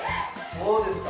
そうですか！